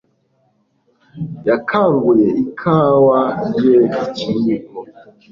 Yakanguye ikawa ye ikiyiko.